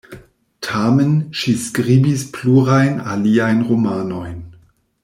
Tamen, ŝi skribis plurajn aliajn romanojn.